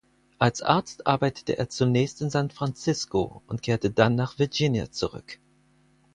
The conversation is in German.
Als Arzt arbeitete er zunächst in San Francisco und kehrte dann nach Virginia zurück.